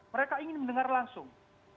mereka ingin mendengar langsung